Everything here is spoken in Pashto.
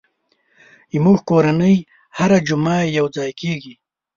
زموږ کورنۍ هره جمعه یو ځای کېږي.